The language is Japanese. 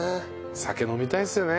酒飲みたいっすよね。